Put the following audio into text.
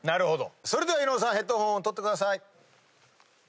それでは伊野尾さんヘッドホンを取ってください。